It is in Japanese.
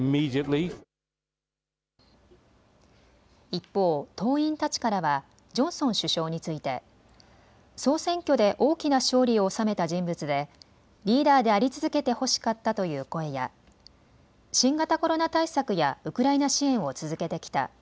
一方、党員たちからはジョンソン首相について、総選挙で大きな勝利を収めた人物でリーダーであり続けてほしかったという声や、新型コロナ対策やウクライナ支援を続けてきた。